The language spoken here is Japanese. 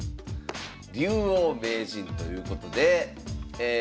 「竜王名人」ということで。